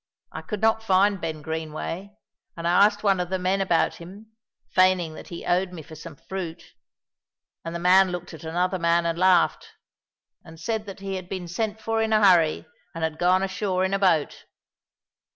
I could not find Ben Greenway, and I asked one of the men about him, feigning that he owed me for some fruit, and the man looked at another man and laughed, and said that he had been sent for in a hurry, and had gone ashore in a boat."